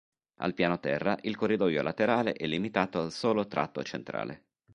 Al piano terra il corridoio laterale è limitato al solo tratto centrale.